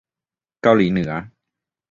เกาหลีเหนือ